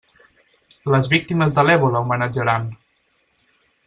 Les víctimes de l'èbola, homenatjaran!